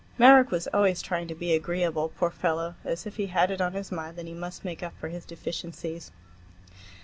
Marek was always trying to be agreeable, poor fellow, as if he had it on his mind that he must make up for his deficiencies.